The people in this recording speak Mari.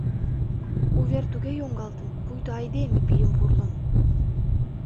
Увер туге йоҥгалтын, пуйто айдеме пийым пурлын.